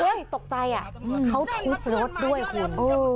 ตกใจอ่ะเขาทุบรถด้วยคุณ